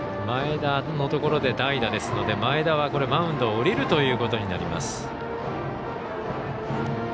前田のところで代打ですので前田はマウンドを降りるということになります。